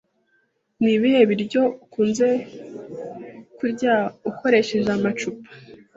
Ni ibihe biryo ukunze kurya ukoresheje amacupa?